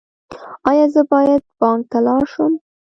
ایا زه باید بانک ته لاړ شم؟